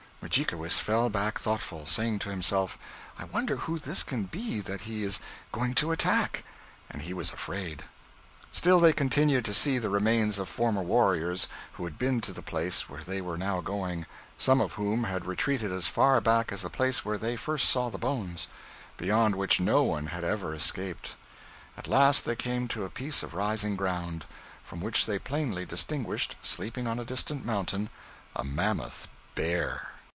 Mudjikewis fell back thoughtful, saying to himself: 'I wonder who this can be that he is going to attack;' and he was afraid. Still they continued to see the remains of former warriors, who had been to the place where they were now going, some of whom had retreated as far back as the place where they first saw the bones, beyond which no one had ever escaped. At last they came to a piece of rising ground, from which they plainly distinguished, sleeping on a distant mountain, a mammoth bear.